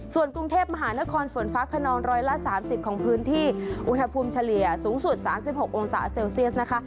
ส่วนกรุงเทพมหานครฝนฟ้าขนองร้อยละ๓๐ของพื้นที่อุณหภูมิเฉลี่ยสูงสุด๓๖องศาเซลเซียสนะคะ